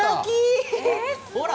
ほら！